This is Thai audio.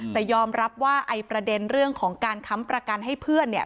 แต่ยอมรับว่าไอ้ประเด็นเรื่องของการค้ำประกันให้เพื่อนเนี่ย